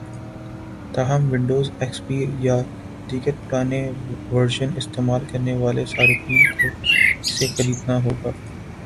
تاہم Windows, X P یا دیگر پرانے ورژن استعمال کرنے والے صارفین کو اسے خریدنا ہوگا